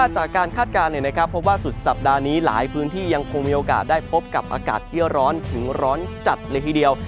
คาดการณ์พบว่าสุดสัปดาห์นี้หลายพื้นที่ยังคงมีโอกาสได้พบกับอากาศที่ร้อนถึงร้อนจัดเลยทีเดียว